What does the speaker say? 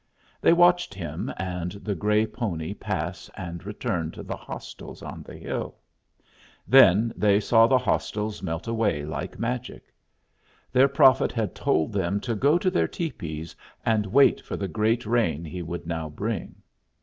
They watched him and the gray pony pass and return to the hostiles on the hill. Then they saw the hostiles melt away like magic. Their prophet had told them to go to their tepees and wait for the great rain he would now bring.